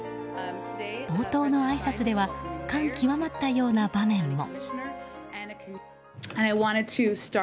冒頭のあいさつでは感極まったような場面も。